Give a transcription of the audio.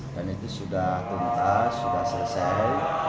dan itu sudah tuntas sudah selesai